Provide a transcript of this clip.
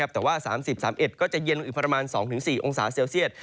แต่ว่า๓๐๓๑ก็จะเย็นลงอีกประมาณ๒๔องศาเซลเซียต